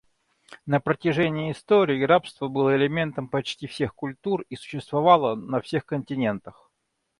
На протяжении истории рабство было элементом почти всех культур и существовало на всех континентах.